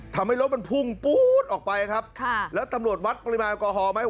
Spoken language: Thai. ทำให้รถมันพุ่งปู๊ดออกไปครับค่ะแล้วตำรวจวัดปริมาณแอลกอฮอลไหม